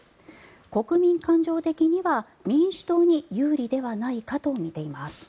国民感情的には民主党に有利ではないかと見ています。